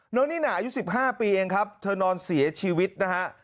โน้นนี่หน่าอยู่๑๕ปีเองครับเธอนอนเสียชีวิตนะฮะ